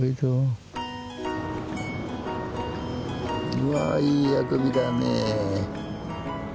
うわいいあくびだね。